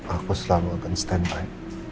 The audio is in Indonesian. aku selalu akan stand by